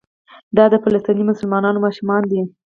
دا د فلسطیني مسلمانانو ماشومان دي.